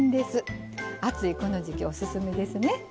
暑いこの時季おすすめですね。